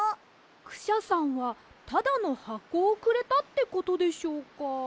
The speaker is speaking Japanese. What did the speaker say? クシャさんはただのはこをくれたってことでしょうか？